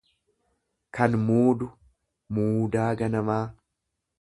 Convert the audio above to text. kan muudu; Muudaa ganamaa.